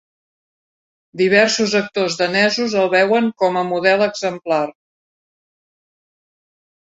Diversos actors danesos el veuen com a model exemplar.